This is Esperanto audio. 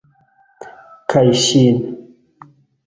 Kaj ŝin.